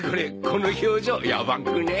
この表情やばくね？